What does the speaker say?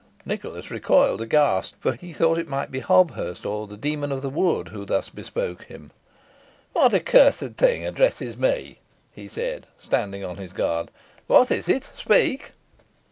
Nicholas recoiled aghast, for he thought it might be Hobthurst, or the demon of the wood, who thus bespoke him. "What accursed thing addresses me?" he said, standing on his guard. "What is it? Speak!"